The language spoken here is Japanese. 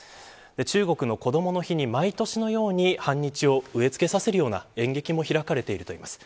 中国のこどもの日に毎年のように反日を植え付けさせるような演劇も開かれているといいます。